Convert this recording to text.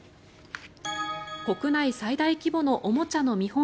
国内最大規模のおもちゃの見本